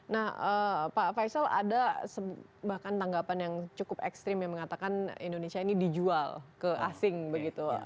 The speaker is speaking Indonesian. nah pak faisal ada bahkan tanggapan yang cukup ekstrim yang mengatakan indonesia ini dijual ke asing begitu